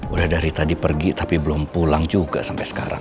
udah dari tadi pergi tapi belum pulang juga sampai sekarang